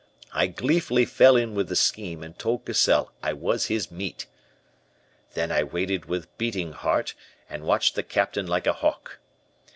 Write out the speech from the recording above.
I gleefully fell in with the scheme, and told Cassell I was his meat. "Then I waited with beating heart, and watched the Captain like a hawk.